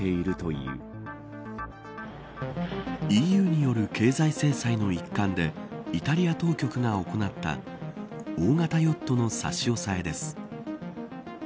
ＥＵによる経済制裁の一環でイタリア当局が行った大型ヨットの差し押さえです。